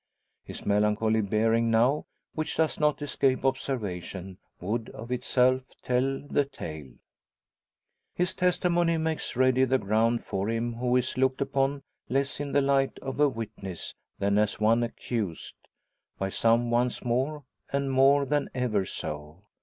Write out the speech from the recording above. His melancholy bearing now, which does not escape observation, would of itself tell the tale. His testimony makes ready the ground for him who is looked upon less in the light of a witness than as one accused, by some once more, and more than ever so.